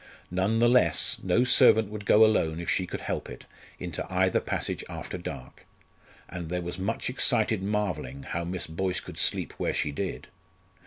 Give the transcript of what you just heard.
None the less, no servant would go alone, if she could help it, into either passage after dark; and there was much excited marvelling how Miss Boyce could sleep where she did.